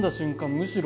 むしろ。